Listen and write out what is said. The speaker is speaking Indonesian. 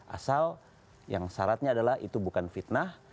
asal yang syaratnya adalah itu bukan fitnah